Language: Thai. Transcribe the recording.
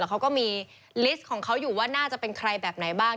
เขาก็มีลิสต์ของเขาอยู่ว่าน่าจะเป็นใครแบบไหนบ้าง